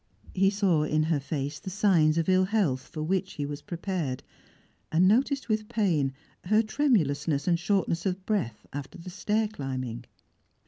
He saw in her face the signs of ill health for which he was prepared, and noticed with pain her tremulousness and shortness of breath after the stair climbing.